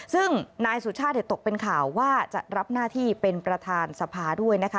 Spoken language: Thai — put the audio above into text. ซึ่งนายสุชาติตกเป็นข่าวว่าจะรับหน้าที่เป็นประธานสภาด้วยนะคะ